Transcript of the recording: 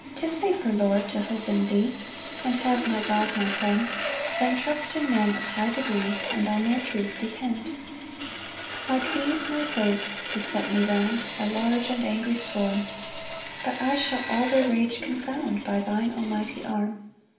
2 'Tis safer, Lord, to hope in thee, And have my God my friend, Than trust in men of high degree, And on their truth depend. 3 Like bees my foes beset me round, A large and angry swarm; But I shall all their rage confound By thine almighty arm.